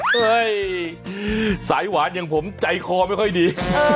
เฮ้ยสายหวานอย่างผมใจคอไม่ค่อยดี